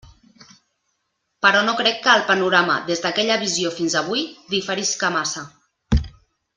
Però no crec que el panorama, des d'aquella visió fins avui, diferisca massa.